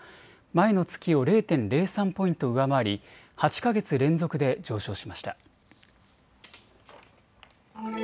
前の月を０．０３ポイント上回り８か月連続で上昇しました。